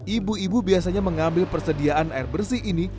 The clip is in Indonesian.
ibu ibu biasanya mengambil persediaan air bersih ini